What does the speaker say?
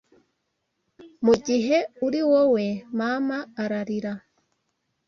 Mugihe uri wowe mama ararira